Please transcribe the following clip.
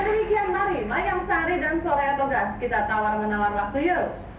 dengan demikian mari mayang sari dan sore ato gas kita tawar menawar waktu yuk